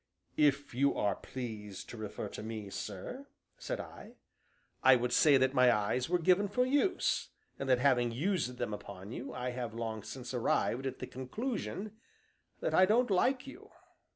"If you are pleased to refer to me, sir," said I, "I would say that my eyes were given for use, and that having used them upon you, I have long since arrived at the conclusion that I don't like you."